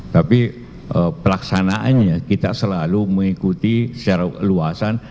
tapi pelaksanaannya kita selalu mengikuti secara luasan